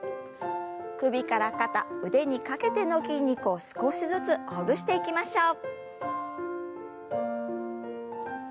首から肩腕にかけての筋肉を少しずつほぐしていきましょう。